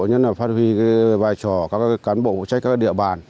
nhất là phát huy cái vai trò các cán bộ phụ trách các địa bàn